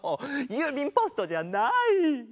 ゆうびんポストじゃない！